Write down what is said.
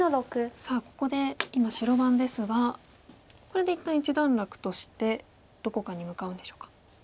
さあここで今白番ですがこれで一旦一段落としてどこかに向かうんでしょうか。